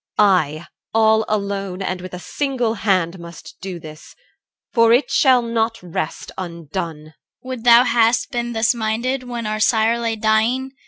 I, all alone and with a single hand, Must do this. For it shall not rest undone. CHR. Would thou hadst been thus minded when our sire Lay dying!